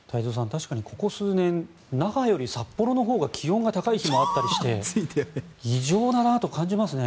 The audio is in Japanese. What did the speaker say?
確かにここ数年那覇より札幌のほうが気温が高い日もあったりして異常だなと感じますね。